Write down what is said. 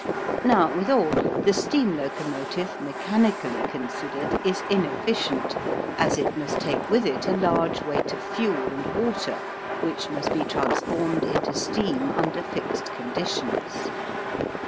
Now, withal, the steam locomotive mechanically considered is inefficient, as it must take with it a large weight of fuel and water which must be transformed into steam under fixed conditions.